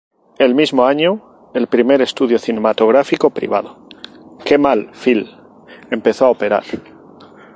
El mismo año, el primer estudio cinematográfico privado, Kemal Film, empezó a operar.